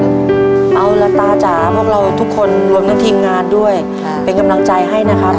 ทับผลไม้เยอะเห็นยายบ่นบอกว่าเป็นยังไงครับ